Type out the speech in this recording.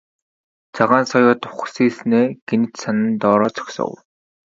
Цагаан соёот ухасхийснээ гэнэт санан доороо зогсов.